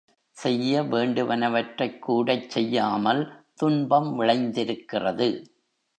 செய்ய வேண்டுவனவற்றைக் கூடச் செய்யாமல் துன்பம் விளைந் திருக்கிறது.